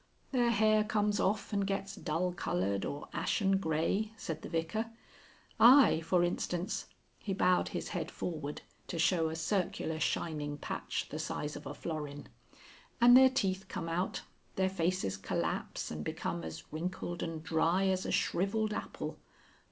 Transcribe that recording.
"Their hair comes off and gets dull coloured or ashen grey," said the Vicar. "I, for instance." He bowed his head forward to show a circular shining patch the size of a florin. "And their teeth come out. Their faces collapse and become as wrinkled and dry as a shrivelled apple.